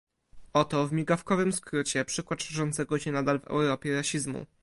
Oto w migawkowym skrócie przykład szerzącego się nadal w Europie rasizmu